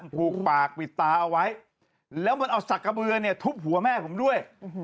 ผูกปากปิดตาเอาไว้แล้วมันเอาสักกระเบือเนี่ยทุบหัวแม่ผมด้วย